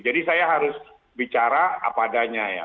jadi saya harus bicara apa adanya ya